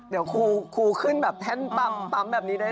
เดี๋ยวครูขึ้นแบบแท่นปั๊มแบบนี้ได้